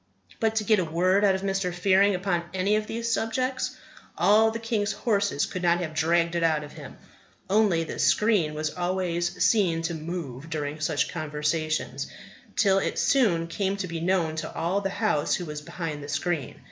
But to get a word out of Mr. Fearing upon any of these subjects, all the king's horses could not have dragged it out of him. Only, the screen was always seen to move during such conversations, till it soon came to be known to all the house who was behind the screen.